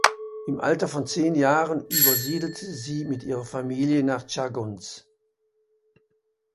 Im Alter von zehn Jahren übersiedelte sie mit ihrer Familie nach Tschagguns.